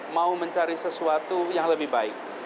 mau mencari sesuatu yang lebih baik